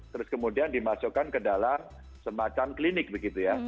terus kemudian dimasukkan ke dalam semacam klinik begitu ya